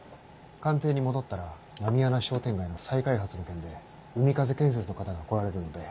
官邸に戻ったら狸穴商店街の再開発の件で海風建設の方が来られるので。